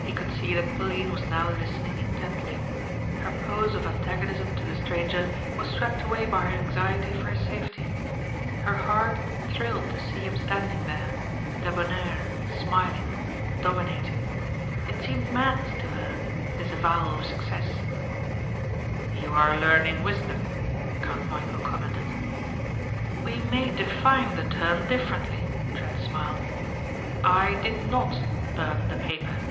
He could see that Pauline was now listening intently. Her pose of antagonism to the stranger was swept away by her anxiety for his safety. Her heart thrilled to see him standing there, debonair, smiling, dominating. It seemed madness to her, this avowal of success. "You are learning wisdom," Count Michæl commented. "We may define the term differently," Trent smiled. "I did not burn the paper."